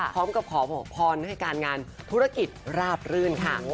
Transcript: พร้อมกับขอพรให้การงานธุรกิจราบรื่นค่ะ